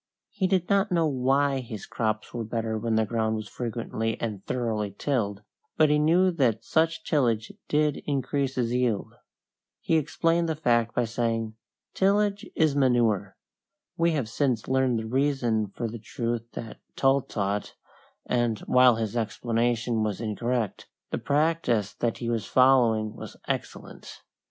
He did not know why his crops were better when the ground was frequently and thoroughly tilled, but he knew that such tillage did increase his yield. He explained the fact by saying, "Tillage is manure." We have since learned the reason for the truth that Tull taught, and, while his explanation was incorrect, the practice that he was following was excellent.